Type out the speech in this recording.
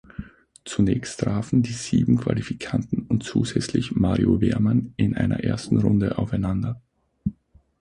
Zunächst trafen die sieben Qualifikanten und zusätzlich Mario Wehrmann in einer ersten Runde aufeinander.